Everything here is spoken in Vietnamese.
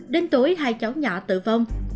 đến tối hai cháu nhỏ tử vong